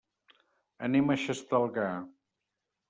Anem a Xestalgar.